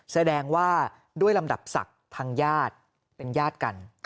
แสดงว่าด้วยลำดับศักดิ์ทางญาติเป็นญาติกัน